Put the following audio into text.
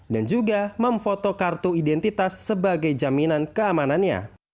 dan juga memfoto kartu identitas sebagai jaminan keamanannya